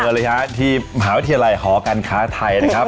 เลยฮะที่มหาวิทยาลัยหอการค้าไทยนะครับ